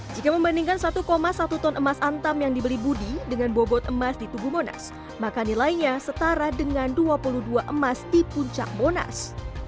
jika membandingkan satu satu ton emas antam yang dibeli budi dengan bobot emas di tugu monas maka nilainya setara dengan dua puluh dua emas di puncak monas